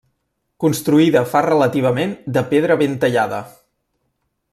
Construïda fa relativament de pedra ben tallada.